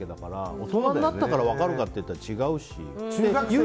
大人になったら分かるかって言ったら違うし。